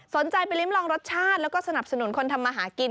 สนใจไปริ้มลองรสชาติแล้วก็สนับสนุนคนทำมาหากิน